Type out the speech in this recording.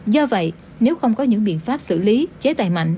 do vậy nếu không có những biện pháp xử lý chế tài mạnh